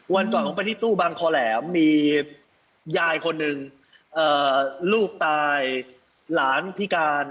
วันก่อนออกไปที่ตู้บางคอแหลมมียายคนหนึ่งลูกตายหลานพิการ